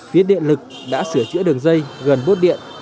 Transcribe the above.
phía điện lực đã sửa chữa đường dây gần bốt điện